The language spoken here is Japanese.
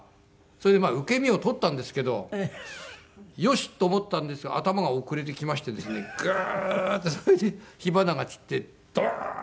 それで受け身を取ったんですけどよしっ！と思ったんですが頭が遅れてきましてですねグーッとそれで火花が散ってドーン！